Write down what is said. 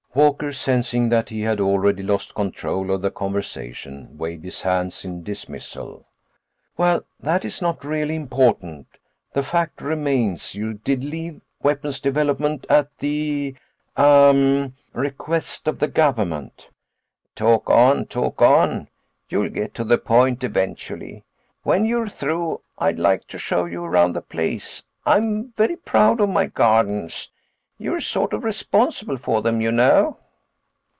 Walker, sensing that he had already lost control of the conversation, waved his hands in dismissal. "Well, that is not really important. The fact remains, you did leave Weapons Development at the ... ah ... request of the government." "Talk on, talk on—you'll get to the point eventually. When you're through, I'd like to show you around the place. I'm very proud of my gardens. You're sort of responsible for them, you know."